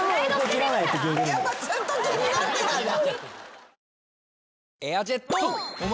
やっぱずっと気になってたんだ。